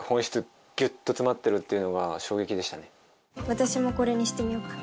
私もこれにしてみよっかな。